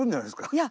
いや。